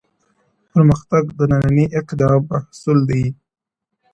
پرمختګ د ننني اقدام محصول دی،